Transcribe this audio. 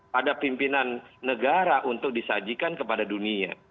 pada pimpinan negara untuk disajikan kepada dunia